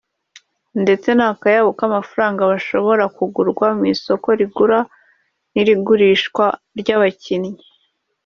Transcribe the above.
ndetse n’akayabo k’amafaranga bashobora kugurwa mu isoko ry’igura n’igurishwa ry’abakinnyi